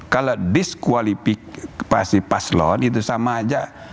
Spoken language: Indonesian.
kalau diskualifikasi paslon itu sama aja